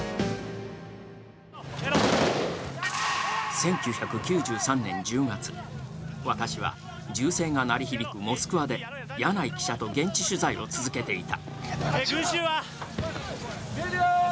１９９３年１０月、私は銃声が鳴り響くモスクワで箭内記者と現地取材を続けていた。